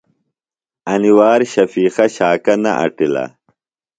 انیۡ وار شفیقہ شاکہ نہ اٹِلہ۔